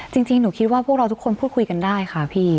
จริงหนูคิดว่าพวกเราทุกคนพูดคุยกันได้ค่ะพี่